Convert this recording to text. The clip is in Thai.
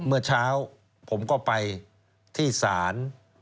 เมื่อเช้าผมก็ไปที่ศาล